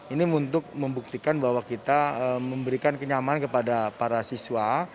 ini untuk membuktikan bahwa kita memberikan kenyamanan kepada para siswa